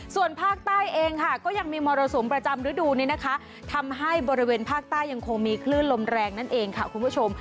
ส่วนภาคใต้เองค่ะก็ยังมีมรสุมประจำฤดูนี้นะคะทำให้บริเวณภาคใต้ยังคงมีคลื่นลมแรงนั่นเองค่ะคุณผู้ชม